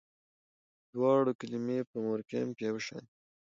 دواړه کلمې په مورفیم کې یوشان دي.